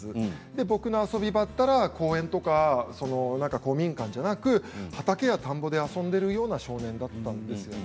僕も遊び場だったら公園とか公民館じゃなく畑や田んぼで遊んでいるような少年だったんですよね。